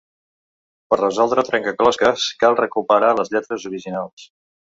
Per resoldre el trencaclosques, cal recuperar les lletres originals.